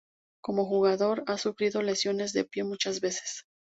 Como jugador, ha sufrido lesiones de pie muchas veces.